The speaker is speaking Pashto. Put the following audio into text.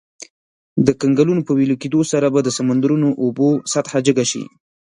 د کنګلونو په ویلي کیدو سره به د سمندرونو د اوبو سطحه جګه شي.